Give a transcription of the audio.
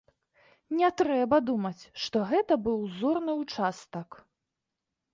Не трэба думаць, што гэта быў узорны ўчастак.